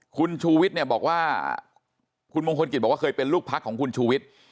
คุณชูวิทย์เนี่ยบอกว่าคุณมงคลกิจบอกว่าเคยเป็นลูกพักของคุณชูวิทย์